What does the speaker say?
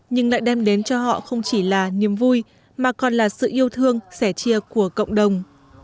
nhưng lại đem đến cho họ không chỉ là niềm vui mà còn là sự yêu thương sẻ chia của cộng đồng